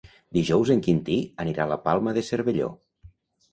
Dijous en Quintí anirà a la Palma de Cervelló.